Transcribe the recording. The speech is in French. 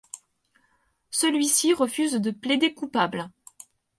Celui-ci refuse de plaider coupable.